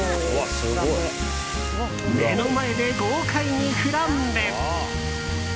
目の前で豪快にフランベ！